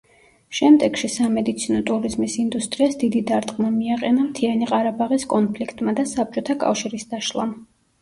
შემდეგში სამედიცინო ტურიზმის ინდუსტრიას დიდი დარტყმა მიაყენა მთიანი ყარაბაღის კონფლიქტმა და საბჭოთა კავშირის დაშლამ.